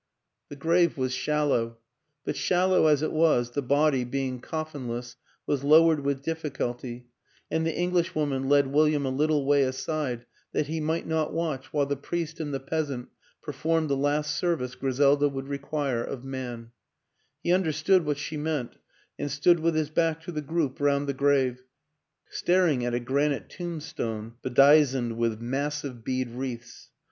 The grave was shallow but, shallow as it was, the body, being coffinless, was lowered with difficulty and the Englishwoman led William a little way aside that he might not watch while the priest and the peasant performed the last service Griselda would require of man; he understood what she meant and stood with his back to the group round the grave, staring at a granite tomb stone bedizened with massive bead wreaths.